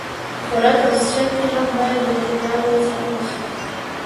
په خوراک او څښاک کي هم بايد اعتدال وساتل سي.